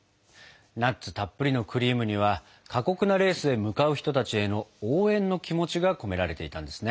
ナッツたっぷりのクリームには過酷なレースへ向かう人たちへの応援の気持ちが込められていたんですね。